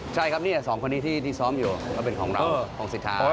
ใช่ครับเนี่ยสองคนนี้ที่ซ้อมอยู่แล้วเป็นของเราของสิทธา